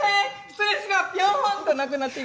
ストレスがピョンとなくなっていく。